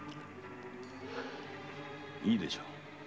いいでしょう。